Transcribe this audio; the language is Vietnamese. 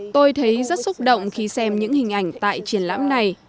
tôi thấy rất xúc động khi xem những hình ảnh tại triển lãm này